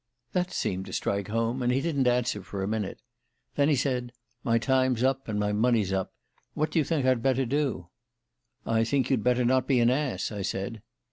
"That seemed to strike home, and he didn't answer for a minute. Then he said: 'My time's up and my money's up. What do you think I'd better do?' "'I think you'd better not be an ass,' I said.